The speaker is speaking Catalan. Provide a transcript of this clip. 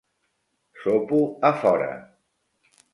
Sopo a fora.